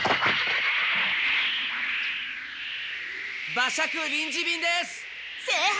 馬借臨時便です！